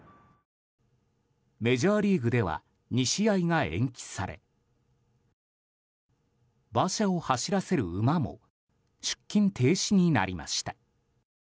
メジャーリーグでは２試合が延期され馬車を走らせる馬も出勤停止になりました。